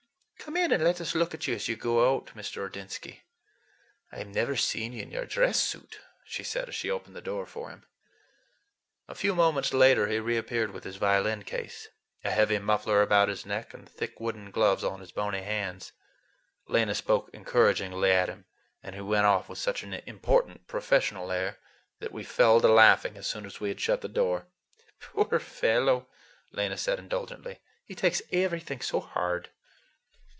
"Come in and let us look at you as you go out, Mr. Ordinsky. I've never seen you in your dress suit," she said as she opened the door for him. A few moments later he reappeared with his violin case—a heavy muffler about his neck and thick woolen gloves on his bony hands. Lena spoke encouragingly to him, and he went off with such an important, professional air, that we fell to laughing as soon as we had shut the door. "Poor fellow," Lena said indulgently, "he takes everything so hard."